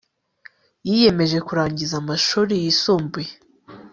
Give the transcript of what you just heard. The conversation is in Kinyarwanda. yiyemeje kurangiza amashuri yisumbuye